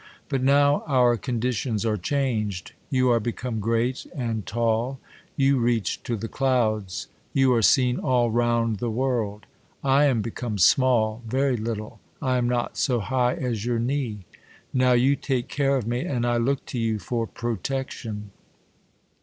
But now our conditions are changed. You are become great and tall. You reach to the clouds. You are seen all round the world. I am become small ; very little. I am not so high as your knee. Now you take care of me ; and I look to you for protection.